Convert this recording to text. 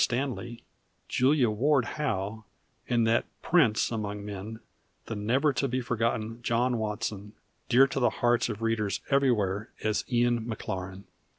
Stanley, Julia Ward Howe and that Prince among men, the never to be forgotten John Watson, dear to the hearts of readers everywhere as Ian Maclaren.